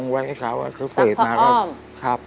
ลักมากครับ